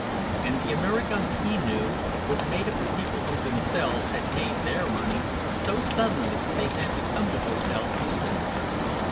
And the America he knew was made up of people who themselves had made their money so suddenly they had to come to hotels to spend it.